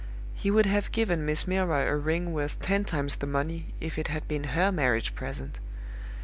He would have given Miss Milroy a ring worth ten times the money, if it had been her marriage present.